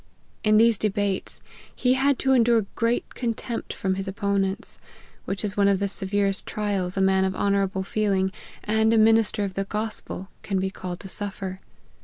In these debates he had to endure great contempt from his opponents, which is one of the severest trials a man of honourable feeling, and a minister of the gospel, can be called to suffer.